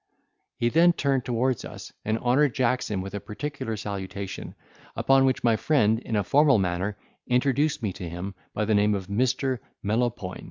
He then turned towards us, and honoured Jackson with a particular salutation, upon which my friend, in a formal manner, introduced him to me by the name of Mr. Melopoyn.